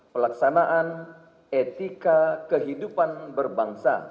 pelaksanaan etika kehidupan berbangsa